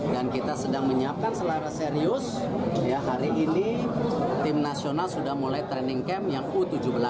dan kita sedang menyiapkan selera serius hari ini tim nasional sudah mulai training camp yang u tujuh belas